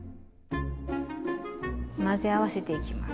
混ぜ合わせていきます。